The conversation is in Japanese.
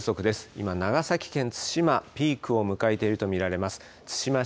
今、長崎県対馬、ピークを迎えていると見られます。